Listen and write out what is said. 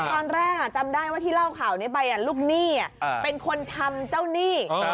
ตอนแรกจำได้ว่าที่เล่าข่าวนี้ไปลูกหนี้เป็นคนทำเจ้าหนี้